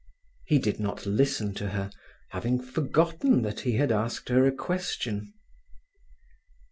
He did not listen to her, having forgotten that he had asked her a question.